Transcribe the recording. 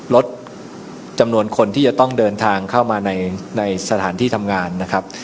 ลดจำนวนคนที่จะต้องเดินทางเข้ามาในสถานที่ทำงานนะครับ